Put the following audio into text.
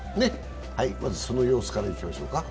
まずその様子からいきましょうか。